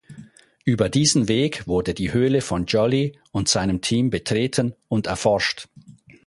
Über diesen Weg wurde die Höhle von Joly und seinem Team betreten und erforscht.